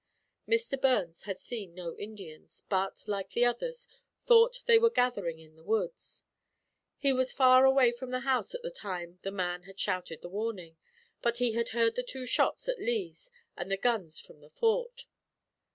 Mr. Burns had seen no Indians, but, like the others, thought they were gathering in the woods. He was far away from the house at the time the man had shouted the warning; but he had heard the two shots at Lee's and the guns from the Fort.